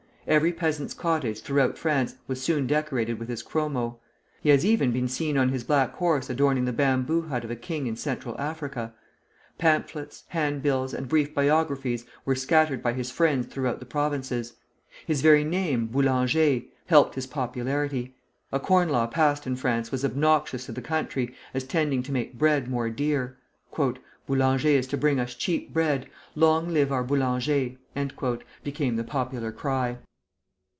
Every peasant's cottage throughout France was soon decorated with his chromo. He has even been seen on his black horse adorning the bamboo hut of a king in Central Africa. Pamphlets, handbills, and brief biographies were scattered by his friends throughout the Provinces. His very name, Boulanger Baker helped his popularity. A corn law passed in France was obnoxious to the country, as tending to make bread more dear; "Boulanger is to bring us cheap bread! Long live our Boulanger!" became the popular cry.